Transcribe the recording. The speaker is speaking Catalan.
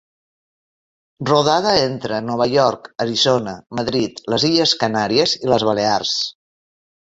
Rodada entre Nova York, Arizona, Madrid, les Illes Canàries i les Balears.